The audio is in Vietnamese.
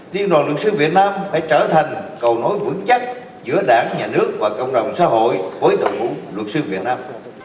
liên đoàn luật sư việt nam phải trở thành cầu nối vững chắc giữa đảng nhà nước và cộng đồng xã hội với đội ngũ luật sư việt nam